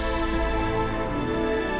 untuk nasib terhadap saya